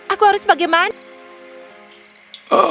aku harus bagaimana